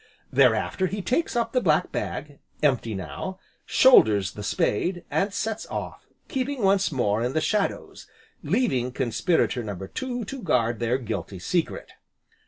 Thereafter he takes up the black bag, empty now, shoulders the spade, and sets off, keeping once more in the shadows, leaving Conspirator No. Two to guard their guilty secret.